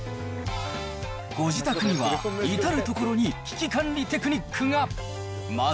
ご自宅には至る所に危機管理テクニックが。